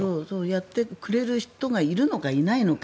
やってくれる人がいるのかいないのか。